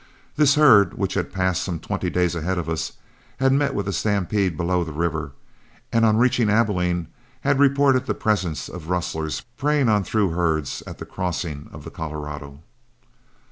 This herd, which had passed some twenty days ahead of us, had met with a stampede below the river, and on reaching Abilene had reported the presence of rustlers preying on through herds at the crossing of the Colorado.